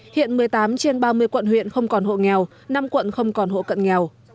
hiện một mươi tám trên ba mươi quận huyện không còn hộ nghèo năm quận không còn hộ cận nghèo